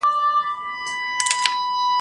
اوس هغه سالار شیطان ته پر سجده دی !.